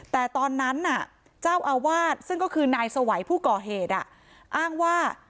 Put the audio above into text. แต่ตอนนั้นน่ะเจ้าอาวาสซึ่งก็คือนายสวัยผู้ก่อเหตุอ้างว่า